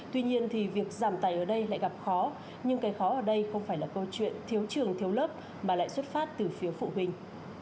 tuy nhiên thì việc giảm tài ở đây lại gặp khó nhưng cái khó ở đây không phải là câu chuyện thiếu trường thiếu lớp mà lại xuất phát từ phiếu phụ huynh